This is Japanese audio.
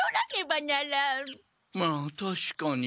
まあたしかに。